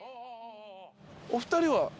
お二人は？